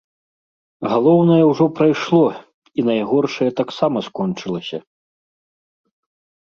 Галоўнае ўжо прайшло, і найгоршае таксама скончылася.